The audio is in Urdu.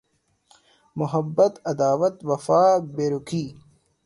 Muhabbat Adawat Wafa Berukhi